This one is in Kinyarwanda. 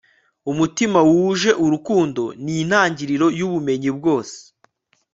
umutima wuje urukundo ni intangiriro yubumenyi bwose